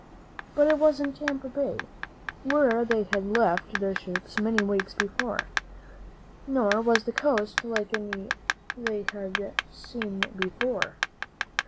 But it wasn't Tampa Bay, where they had left their ships many weeks before, nor was the coast like any they had ever seen before.